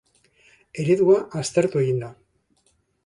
Eredua aztertu egin da.